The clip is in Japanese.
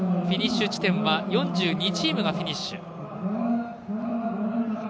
フィニッシュ地点は４２チームがフィニッシュ。